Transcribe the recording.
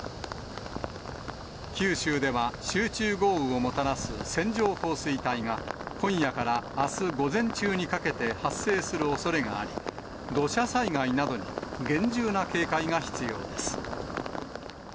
九州では、集中豪雨をもたらす線状降水帯が、今夜からあす午前中にかけて発生するおそれがあり、土砂災害などに厳重な警戒が必要です。